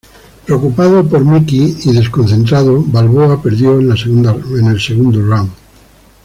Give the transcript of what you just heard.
Preocupado por Mickey y desconcentrado, Balboa perdió en el segunda round.